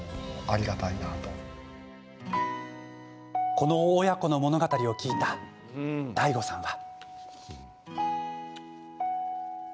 この親子の物語を聞いたＤＡＩＧＯさんは。